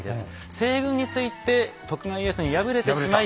西軍について徳川家康に敗れてしまい。